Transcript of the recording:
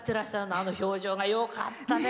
あの表情がよかったです。